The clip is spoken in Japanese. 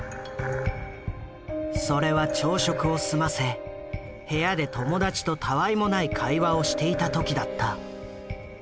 それは朝食を済ませ部屋で友達とたわいもない会話をしていた時だった。